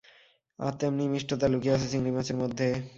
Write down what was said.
আর তেমনি মিষ্টতা লুকিয়ে আছে চিংড়ি মাছের মধ্যে।